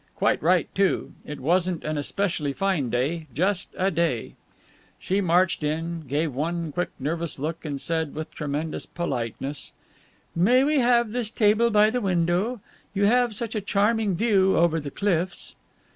Quite right, too; it wasn't an especially fine day; just a day. She marched in, gave one quick, nervous look, and said, with tremendous politeness: "May we have this table by the window? You have such a charming view over the cliffs."